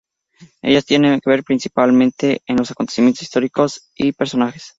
Ellas tienen que ver principalmente con los acontecimientos históricos y personajes.